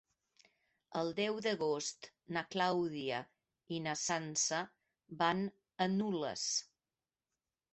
El deu d'agost na Clàudia i na Sança van a Nulles.